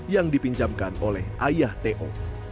yang dipinjamkan oleh ayah to